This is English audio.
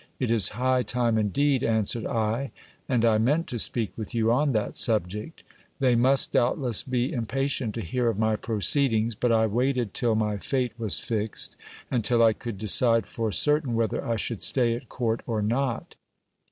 It is high time indeed, answered I, and I meant to speak with you on that subject. They must doubtless be impatient to hear of my proceedings, but I waited till my fate was fixed, and till I could decide for certain whether I should stay at court or not.